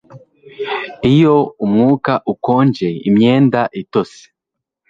iyo umwuka ukonje, imyenda itose